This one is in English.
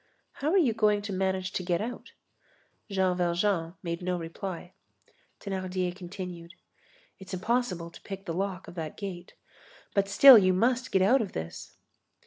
"How are you going to manage to get out?" Jean Valjean made no reply. Thénardier continued: "It's impossible to pick the lock of that gate. But still you must get out of this."